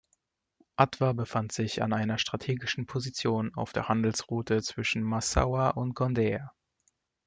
Adwa befand sich an einer strategischen Position auf der Handelsroute zwischen Massaua und Gonder.